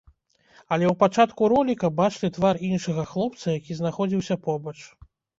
Але ў пачатку роліка бачны твар іншага хлопца, які знаходзіўся побач.